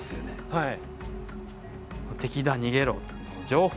はい。